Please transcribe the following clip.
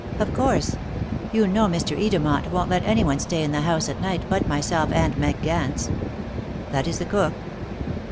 "Of course! You know Mr. Edermont won't let anyone stay in the house at night but myself and Meg Gance." "That is the cook?"